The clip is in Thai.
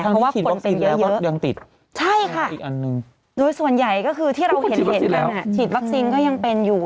เพราะว่าคนเป็นเยอะใช่ค่ะโดยส่วนใหญ่ก็คือที่เราเห็นมันค่ะฉีดวัคซิงก็ยังเป็นอยู่